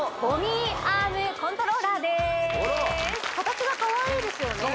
形がかわいいですよね